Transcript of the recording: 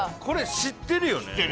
これ知ってるよね？